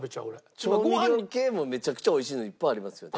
調味料系もめちゃくちゃ美味しいのいっぱいありますよね。